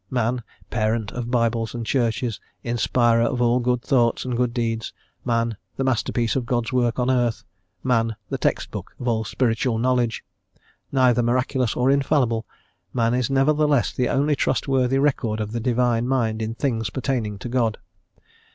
Man, parent of Bibles and Churches, inspirer of all good thoughts and good deeds. Man, the master piece of God's work on earth. Man, the text book of all spiritual knowledge. Neither miraculous or infallible, Man is nevertheless the only trustworthy record of the Divine mind in things pertaining to God.